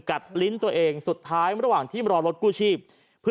กัดลิ้นตัวเองสุดท้ายระหว่างรอรถกู้ชีพ